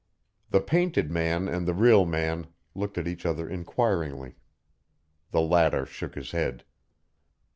The painted man and the real man looked at each other inquiringly. The latter shook his head.